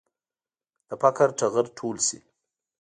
د فقر ټغر ټول شي.